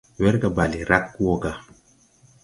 Werga bale rag wɔ ga.